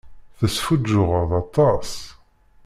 Tesfuǧǧuɣeḍ aṭas.